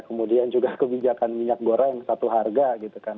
kemudian juga kebijakan minyak goreng satu harga gitu kan